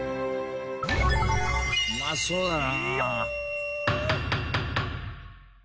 うまそうだな。